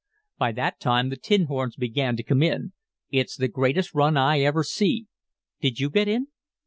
By that time the tin horns began to come in. It's the greatest run I ever see." "Did you get in?"